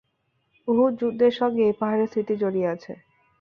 উহুদ যুদ্ধের সঙ্গে এই পাহাড়ের স্মৃতি জড়িয়ে আছে।